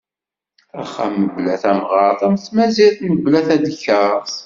Axxam mebla tamɣert am tmazirt mebla tadekkaṛt.